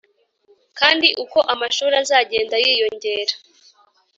Kandi uko amashuri azagenda yiyongera